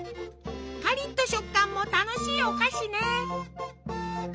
カリッと食感も楽しいお菓子ね。